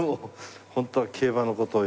本当は競馬の事を。